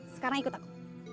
sekarang ikut aku